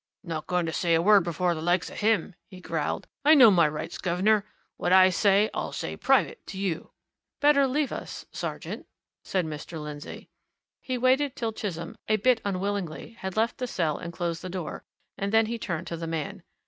"Not going to say a word before the likes of him!" he growled. "I know my rights, guv'nor! What I say, I'll say private to you." "Better leave us, sergeant," said Mr. Lindsey. He waited till Chisholm, a bit unwilling, had left the cell and closed the door, and then he turned to the man.